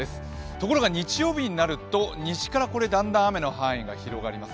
ところが日曜日になると西からだんだん雨の範囲が広がります。